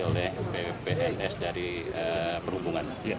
oleh bpns dari perhubungan